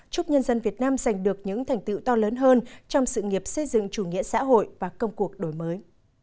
chúc nhân dân việt nam giành được những thành tựu to lớn hơn trong sự nghiệp xây dựng chủ nghĩa xã hội và công cuộc đổi mới